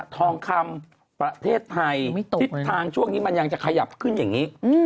ทองคำประเทศไทยทิศทางช่วงนี้มันยังจะขยับขึ้นอย่างนี้